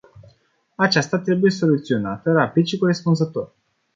Aceasta trebuie soluționată rapid și corespunzător.